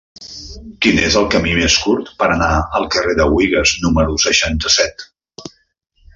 Quin és el camí més curt per anar al carrer de Buïgas número seixanta-set?